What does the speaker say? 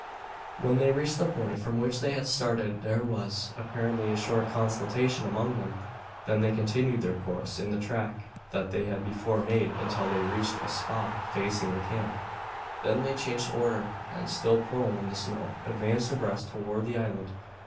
When they reached the point from which they had started there was, apparently, a short consultation among them. Then they continued their course in the track that they had before made until they reached a spot facing the camp. Then they changed order, and, still prone in the snow, advanced abreast toward the island.